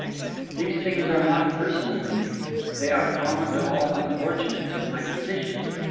These things are not personal to me; they are common to all unfortunates in my position.